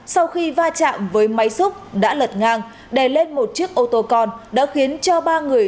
sau khi va chạm với máy xúc đã lật ngang đè lên một chiếc ô tô con đã khiến cho ba người